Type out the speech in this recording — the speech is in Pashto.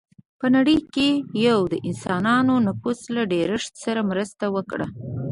په نړۍ کې یې د انسانانو نفوس له ډېرښت سره مرسته وکړه.